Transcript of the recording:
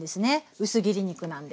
薄切り肉なんで。